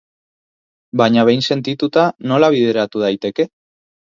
Baina behin sentituta, nola bideratu daiteke?